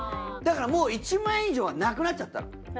だからもう１万円以上はなくなっちゃったの。